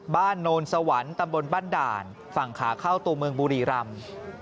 โนนสวรรค์ตำบลบ้านด่านฝั่งขาเข้าตัวเมืองบุรีรำ